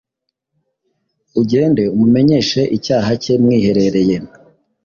ugende umumenyeshe icyaha cye mwiherereye: